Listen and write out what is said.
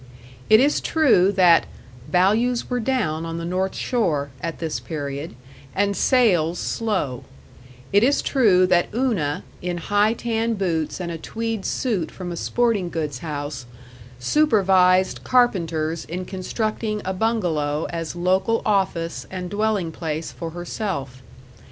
It is true that "values were down on the North Shore" at this period, and sales slow; it is true that Una (in high tan boots and a tweed suit from a sporting goods house) supervised carpenters in constructing a bungalow as local office and dwelling place for herself.